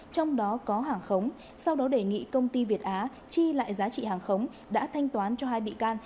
trong đó có hàng khống sau đó đề nghị công ty việt á chi lại giá trị hàng khống đã thanh toán cho hai bị can